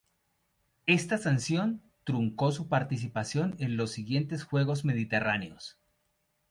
Esta sanción truncó su participación en los siguientes Juegos Mediterráneos.